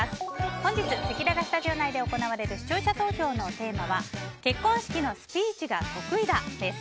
本日せきららスタジオ内で行われる視聴者投票のテーマは結婚式のスピーチが得意だです。